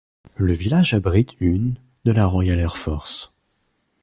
Le village abrite une de la Royal Air Force.